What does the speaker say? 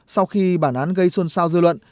sau khi bản án gây xuân sao dư luận